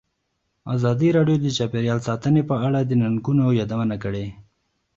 ازادي راډیو د چاپیریال ساتنه په اړه د ننګونو یادونه کړې.